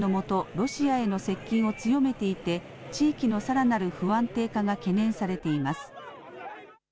ロシアへの接近を強めていて地域のさらなる不安定化が懸念されています。